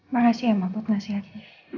makasih ya mama buat nasihatnya